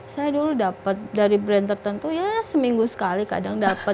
saya dulu dapet dari brand tertentu ya seminggu sekali kadang dapet ya kan